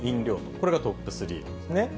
これがトップ３ですね。